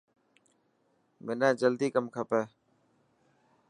منان جلدي ڪم کپي.